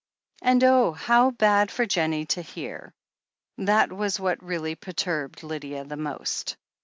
And oh ! how bad for Jennie to hear ! That was what really perturbed Lydia most.